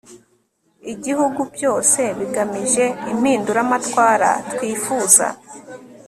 igihugu byose bigamije impinduramatwara twifuza